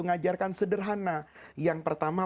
ngajarkan sederhana yang pertama